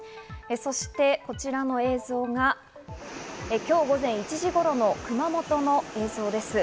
そしてこちらの映像が今日午前１時頃の熊本の映像です。